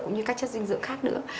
cũng như các chất dinh dưỡng khác nữa